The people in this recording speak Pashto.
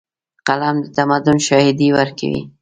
قلم د تمدن شاهدي ورکوي.